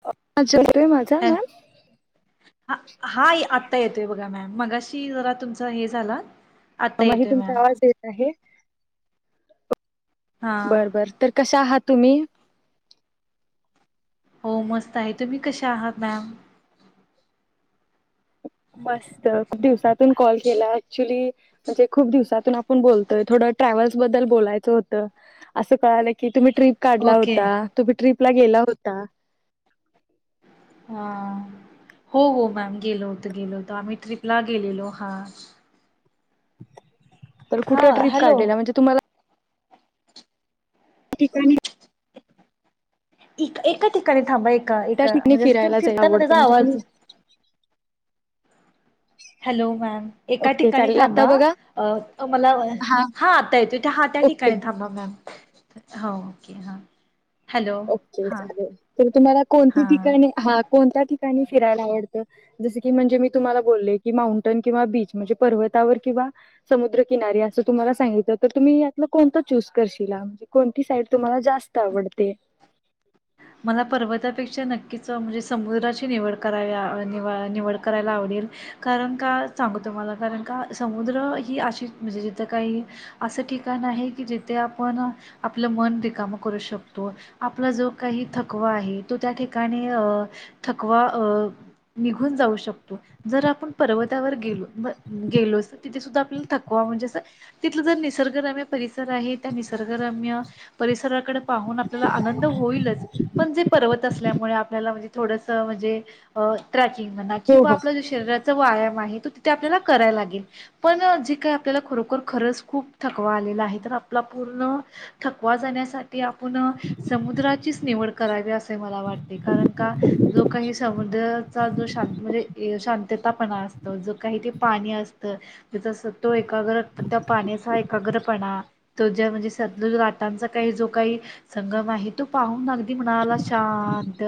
[unintelligible] माझा ह मॅम. हा आत्ता येतोय बघा मॅम मगाशी जरा तुमचं हे झालं. [unintelligible] तुमचा आवाज येत आहे. हा बर बर तर कशा आहात तुम्ही. हो मस्त आहे तुम्ही कशा आहात मॅम. मस्त खूप दिवसातून कॉल केला. ऍक्च्युली म्हणजे खूप दिवसातून आपण बोलतोय थोड. ट्रॅव्हल्स बद्दल बोलायचं होतं, असं कळलं की कळलं की. तुम्ही ट्र्रीप काढला ओके होता. तुम्ही ट्रिपला गेला होता. हा. हो. हो. मॅम गेलो होतो. गेलो होत आम्ही ट्रिपला गेलेलो हा. तर हा कुठे ट्रिप हॅलो काढलेला म्हणजे तुम्हाला काही ठिकाणी टिक एका ठिकाणी थांबा एका त्या एका ठिकाणी म्हणजें तुम्ही फिरायला जायला फिरता ना आवडतं त्याचा म्हणजे तुम्ही आवाज हॅलो मॅम एका ओके ठिकाणी चालेल आता थांबा बघा अ मला हा आता येतोय. एका ओके ठिकाणी थांबा मॅम हो ओके ह ओके चाले तुम्हाला कोणती हां ठिकाणी हा कोणत्या ठिकाणी फिरायला आवडतं. जस की म्हणजे मी तुम्हाला बोले की माउंटन किंवा बीच म्हणजे पर्वत आतावर किंवा समुद्रकिनारी अस तुम्हाला सांगित तर तुम्ही यातलं कोणत चूस करशील. तिसैद तुम्ह ते मला पर्वतापेक्षा नक्कीच म्हणजे समुद्राची निवड करानिवळ निवड करायला आवडेल. कारण का सांग तुम्हाला कारण का सांगू तुला ही अशी म्हणजे जिथ काही जे ठिकाण आहे, की जिथे आपण आपलं मन रिकाम करू शकतो, आपला जो काही थकवा आहे तो त्या ठिकाणी अ थकवा अ [inaudible] निघून जाऊ शकतो, जर आपण पर्वतावर गेलो ब गेलो, असं तिथे सुद्धा आपल्याला थकवा तथ ज निम्य परिस आहे त्या निसरम्य परिसक पा [inaudible] आपल्याला आनंद होईल. त असल्या आपल्याण म्हणजे [inaudible] मना की हो जो हो आपल्या शरीराचा व्यायाम आहे, तो तिथे आपल्याला करायला लागेल पण जे काय आपल्याला खरोखर खरंच खूप थकवा आलेला आहे. तर आपला पूर्ण थकवा जाण्यासाठी ती आपुन समुद्राचीच निवड करावी असे मला वाटते. कारण का जो काही समुद्र [inaudible] जो शांत म्हणजे शांततापणा असतो, जकाही ते पाणीअसत सत्व एक त्या पाण्याचा एकाग्रपणा त ज म्हणजे आटांचा काही जो काही. [inaudible] संगम आहे तू पाहून अगदी म्हणाला शांत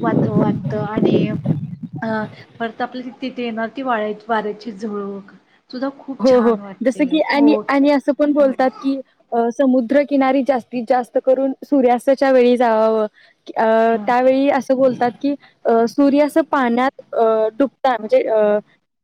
वा वाटत आणि [inaudible] हा परत आपल्या ति तिथे येणार ती वाढ्या वाऱ्याची झळूक हो हो जस की आणि आणि असं पण ह बोलतात की [inaudible] समुद्रकिनारी जास्तीत जास्त करून सूर्यास्ताच्या वेळी जावाव अ ह त्यावेळी असं बोलतात की [inaudible] सूर्य अस पाण्यात तुटत म्हणजे अ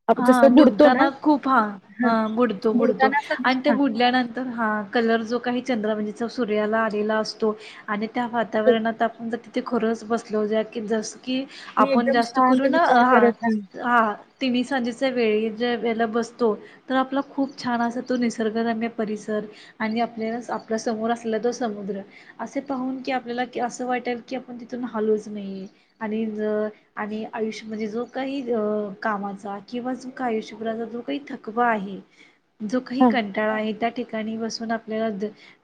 आप हा जसं बुडतो ना डुबताना खूप हा हा बुडतो बुडतो बोलताना असं आणि ते दिसणार बुडल्यानंतर हा कलर जो काही चंद्र म्हणजे सूर्याला आलेला असतो, आणि त्या हो वातावरणात आपण जर ते खरंच बसलं जॅक्स की जसं की मी आपण एकदम जात शांत करून विचार हा करत नाही हा तीस वेळीतज बसतो तर आपला खूप छान असा तो निसर्गरम्य परिसर आणिआपण आपल्या आपल्या समोर असलेला तो समुद्र असे पाहून की आपल्याला की असं वाटेल की आपल्या तिथून हल विस्मे आणि जर आणि आयुष्य मध्ये जो काही कामाचा किंवा जो का आयुष्यभराचा जो काही थकवा आहे. जो काही हा कंटाळा आहे त्यात ठिकाणी बसून आपल्याला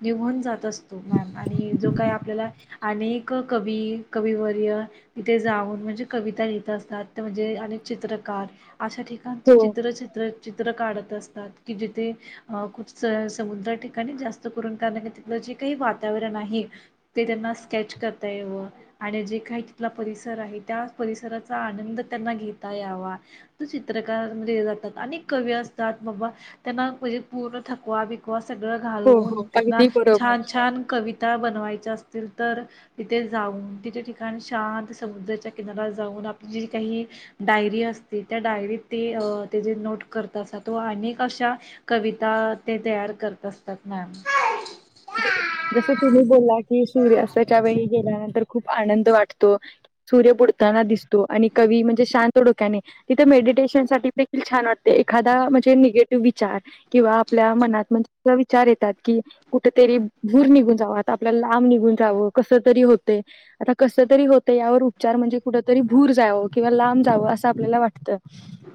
दिघून जात असतो मॅम आणि जो काही आपल्याला अनेक कवी कविवर्य तिथे जाऊन म्हणजे कविता लिहित असतात म्हणजे अनेक चित्रकार अशा ठिकाणचे हो चित्र चित्र चित्र काढत. असतात जिथे खूप समुद्र ठिकाणी जास्त करून म्हणजे जेकाही वातावर वर्णनही ते त्यांना स्केच करता एव आणि जे काही तिथलं परिसर आहे. त्या परिसराच आनंद त्यांना घेता यावा. चित्रकार मध्ये जातात अनेक कवी असतात बाबा त्यांना म्हणजे पूर्ण थकवा बिकवा सगळं हो हो घालून त्यान अगदी बरोबर छान छान कविता बनवायच्या अस. असतील तर तिथे जाऊन तिथे ठिकाण शांत समुद्राच्या किनाऱ्यात जाऊन आपली जे काही डायरी असतील. त्या डायरीत ते तेजे नोट करतासा तो अनेक अशा कविता ते तयार कर. होतं असता मॅम. जस तुम्ही बला की सूर्यास्ताच्या वेळी गेल्यानंतर खूप आनंद वाटतो. ना दिसतो आणि क म्हणजे शांत डोक्याने तिथ मेडिटेशन सा देील छान वाते एखा म्हणजे निगेटिव्ह विचार किंवा आपल्या मनातणज विचार येतात. कि कुठेतरी भूर निघून जाव आता आपल्याला लांब निघून जावं कस तरी होत आता कस? करी होत यावर उपचार म्हणजे कुठतरी भूर जावं किंवा लांब जावं असं आपल्याला वाटतं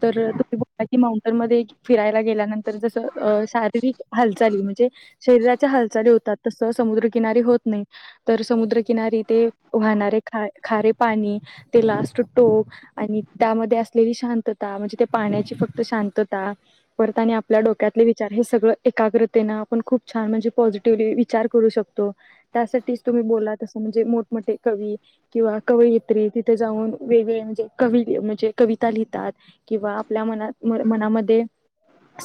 तर तुम्ही ब की माउंटन मध्ये फिरायला गेल्यानंतर जस शारीरिक हालचाली म्हणजे शरीराच्या हालचाली होतात तस समुद्रकिनारी होत नाही तर समुद्रकिनारी ते वाहणारे खे पा टो त्या असली शांत म्हणजे पाण्याची फक्त शांतता परत आणि आपल्या डोक्यातले विचार हे सगळ एकाग्रतेन आपण खूप छान म्हणजे पॉझिटिव्हली विचार करू शकतो त्यासाठीच तुम्ही बोला तसं म्हणजे मोठमोठे कवी किंवा कवयित्री तिथे जाऊन वेगवेग म्हणजे क म्हणजे कविता लिहात किंवा आपल्या मनात मनामध्ये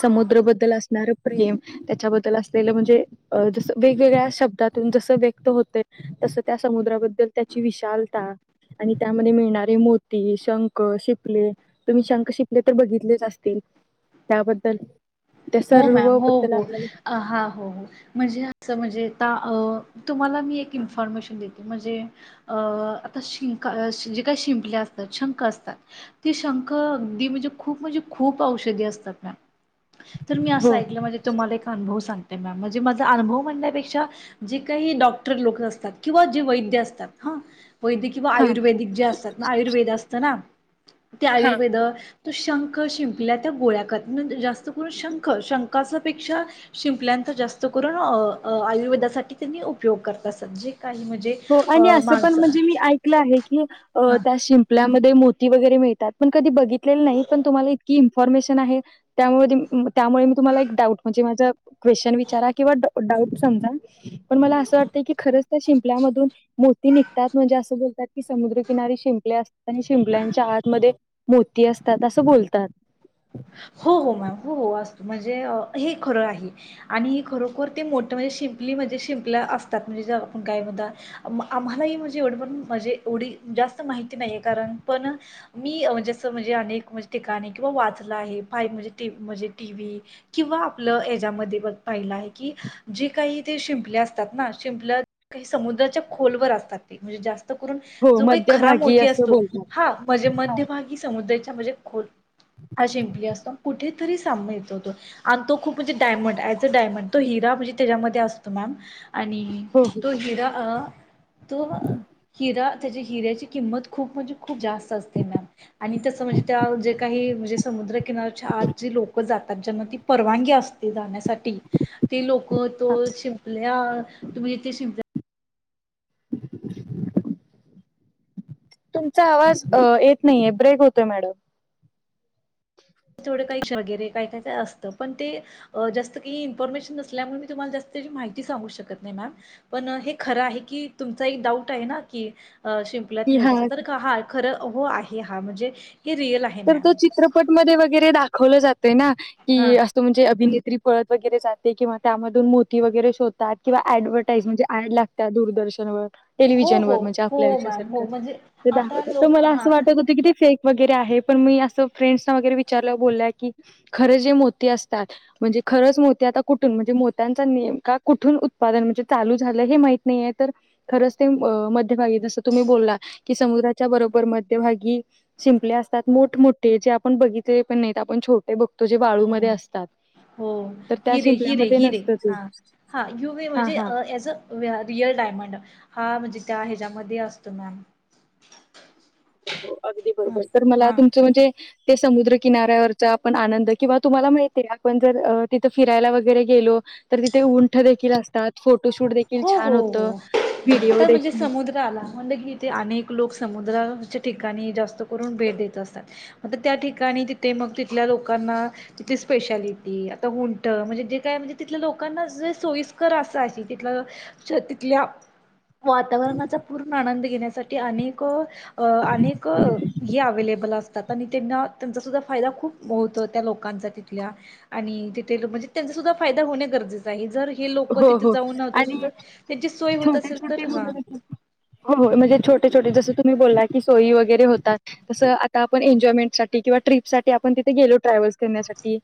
समुद्रबद्दल असणार प्रेम त्याच्याबद्दल अस. म्हणजे जस वेगवेगळ्या शब्दातून जस व्यक्त होत तस त्या समुद्राबद्दल ची विशालता आणि त्यामध्ये मिळणारे मोती शंख शिपले तुम्ही शंख शिपले तर बघितलेच असतील. त्याबद्दल त्या हो मॅम. हो, सरवबद्दल हो. आपल्याला अ, हां, म्हणजे अस म्हणजे तुम्हाला मी एक इन्फॉर्मेशन देते म्हणजे आता शिंका जे काही शिंपले असतात शंख असतात ती शंख अगदी म्हणजे खूप म्हणजे खूप औषधी असतात तर मी असं हो. ऐकलं म्हणजे तुम्हाला एक अनुव सांग. त्या म्हणजे माझा अनुभव म्हणण्यापेक्षा जे काही डॉक्टर लोक असतात किंवा जे वैद्य असतात. वैद किवा हा. आयुर्वेदिक जे असतात ना आयुर्वेद असत ना ते हा आयुर्वेद तो शंख शिंपला त्या गोळ्या कर म्हण जास्त करून शंख शंकापेक्षा शिंपल्याचा जास्त करून आयुर्वेदासाठी त्यांनी उपयोग करतात. सब्जी. हो आणि असं पण म्हणजे मी ऐकलं आहे की हा त्या शिंपल्यामध्ये मोती वगैरे मिळतात पण कधी बघितलेलं नाही पण तुमला इतकी ॉमेश त्या मी तुम्हाला एक डाउट म्हणजे मा क्वेन विचार किं [unintelligible] मो निघतात म्हणजे अस बतात की समुद्रकिनारी शिंपले असतात शिंच्या आत. मोती असतात अस बोलतात. हो हो मॅम हो हो असत म्हणजे हे खरं आहे आणि खरोखर ते मोठण ण असतातण आम्हाणव मा नाही कारण पण मी म्हणजे अा किंवा म्हण किंवा आप जे काही ते शिंपले असतात ना शिंपल्या काही समुद्राच्या खोलवर असतात ते म्हणजे जास्त ून हो जो काही खराब मध्यभागी मोती असं असतो बोलतात. हा म्हणजे मध्यभागी समुद्राच्या म्हणजे ख हा शिंपली असतो कुठेतरी सांायतोतो आणि तो खूप म्हणजे डायमंड ज अ डायमंड तो हिरा म्हणजे त्याच्यामध्ये असतो मॅम आणि हो, हो. तो हिरा. तो हिरा त्याच्या हिऱ्याची किंमत खूप म्हणजे खप जास्त अस म आणि तस म्हणजे त्या जे काही म्हणे समुद्र किनार आज जे लोक जातात ज्यांना ती परवानगी असते जाण्यासाठी ते लोक हां. तो शिंपल्या तुम्ही जिथे शिं [inaudible] तुमचा आवाज येत नाहीे ब्रेक होतोय मॅडम रे का का असत पण तेस्त इन्फॉर्मेशन नल्यामुळे मी तुम्हाला जास् माहि ग श नाही मम पण हे खर आहे की तुम एक डऊट आहे क अ शिंपलात की मोठ्या अस तर हां. हा खरं हो आहे हा म्हणजे. हे रिअल आहे तर मॅम. तो चित्रपटमध्ये वगैरे दाखवलं जातय ना हां. की असो म्हणजे अभिने. पळत वगैरे जे किंवा त्यामधून मोती वगैरे शोतात किंवा ऍडव्हटाइज म्हणजे. याड लागत्या दूरदर्शन व हो, टेलिव्हिजन हो. वर म्हणजे आपल्या हो मॅम याच्यासारखं हो म्हणजे आता दाखव तर लोक मला हां. असं वाटत होत की ते फेक वगैरे आहे. पण मी फ्रेंड्स ला विचार बोलल्या के खरं जे मोती असतात खर जे असतात म्हणजे ख आता कुठून म्हणजे मग त्यांचं नेमकं उत्पादन कुठून चालू झालं हे माहित नाही खरंच ते. मध्यभागी की जसं तुम्ही बोललात समुद्राच्या बरोबर मध्यभागी शिंपल्या त्यात मोठ मोठे जे आपण बघितले पण नाहीत आपण छोट जे हो, वाळूमध्ये असतात. हो तर त्या हिरे हि रे शिंपल्यामध्ये हि रे नसतं ते हा हा यू मी हा म्हणजे हा एज अ रिअल डायमंड हा म्हणजे त्या हच्या्यामध्ये असतो मॅम हो हो अगदी हां, बरोबर तर मला हां. तुमचं म्हणजे ते समुद्र किनाऱ्यावरचा आपण आनंद किंवा तुम्हाला माहिती आपण जर तिथं फिरायला वगैरे गेलो तिथे उंठ देखील असतात. फोटोशूट देखील हो छान हो होतं हो व्हिडिओ आता म्हणजे देखील समुद्र आला म्हणलं की इथे अनेक लोक समुद्र ठिकाणी जास्त करून भेट देत असतात त्या ठिकाणी तिथे मग तिथल्या लोकांना तिथली स्पेशालिटी आता उंट म्हणजे जे काय म्हणजे तिथल्या लोकांना जे सोयीस्कर असं अशी [unintelligible] तिथल्या वातावरणाचा पूर्ण आनंद घेण्या ते अनेक अ अनेक हे अवेलेबल अस आता मी त्यांना त्यांचा फायदा होतो त्या लोकांचा तिथल्या आणि मग तिथे तुझा फायदा होणे गरजेच आहे जर हे लोक हो तिथ हो आणि छोटे तर छोटे हा मुल हो म्हणजे छोटे छोटे. जस तुम्ही बोला की सोई वगरे होतात तसं आता आपण एन्जॉयमेंटसाठी किंवा ट्रीपसाठी आपण तिथे गेलो ट्रॅव्हल्स करण्यासाठी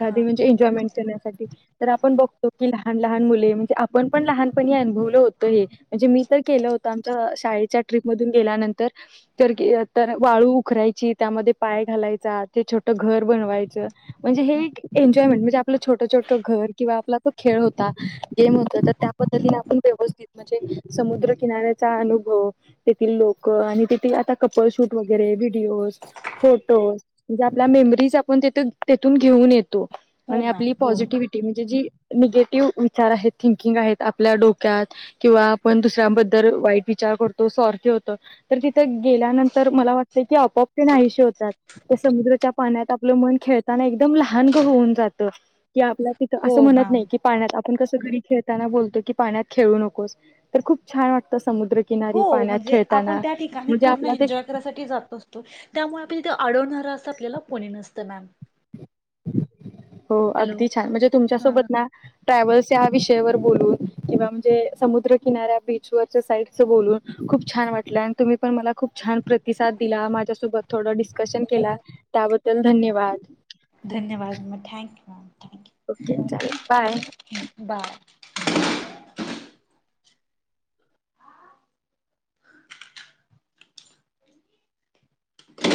हा म्हणजे एन्जाॅयमेंट करण्यासाठी तर आपण बघतो की लहान लहान लहान मुले म्हणजे आपण पण लहानपणी अनुभवलं होत हे म्हणजे मी तर केलं होतं आमच्या शाळेच्या ट्रीप मधून गेल्यानंतर तर वाळू उखरायची त्यामध्ये पाय घालायचा ते छोट घर बनवायचं म्हणजे हे एक एन्जॉयमेंट म्हणजे आपलं छोटं छोटं घर किंवा आपला तो खेळ होत गेम होत तर त्या पद्धतीने आपण व्यवस्थित म्हणजे समुद्रकिनाऱ्याचा अनुभव. तेथील लोक आणि तिथे आता कपल शूट वगैरे व्हिडिओज फोटोज म्हणजे आपल्या [unintelligible] घेऊ येतो हो मॅम आपली हो पॉिटिव्हटी म्हणजे ज नि विचार आहेत थिंकिंग आहेत आपल्या डोक्यात किंवा आपण दुसऱ्यांबद्दल वाईट विचार करतो. स्वार्थी होतो तर तिथे गेल्या नंतर मला वाटतं की आपोआप तिथे आयुष्य होतात. त्या समुद्रच्या पाण्यात आपलं मन खेळताना एकदम लहानग होऊन जात की आपल्या तिथं हो असं म्हणत मॅम नाही. की पाण्यात आपण कस घरी खेळताना बोलतो की पाण्यात खेळू नकोस तर खूप छान वाटत. हो म्हणजे आपण त्या ठिकाणी म्हणजे पूर्ण आपला ते एन्जॉय करायसाठी जात असतो त्यामुळे आपण अडवणारं असं आपल्याला कोणी नसतं मॅम आप हो हॅलो अगदी छान म्हणजे तुमच्या सोबत हां ना ट्रॅव्हल्स या विषयावर बोलून किंवा म्हणजे समुद्रकिनाऱ्या बीचवरच्या साईडच बोलून खूप छान वाटलं तुम्ही पण मला खूप छान प्रतिसाद दिला माझ्यासोबत थोडा डिस्कशन केला बद्दल धन्यवाद. धन्यवाद आणि थँक्यू. थँक्यू ओके चा बाय बाय